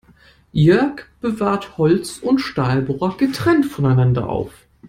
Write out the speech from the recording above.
Jörg bewahrt Holz- und Stahlbohrer getrennt voneinander auf.